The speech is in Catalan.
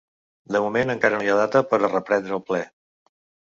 De moment encara no hi ha data per a reprendre el ple.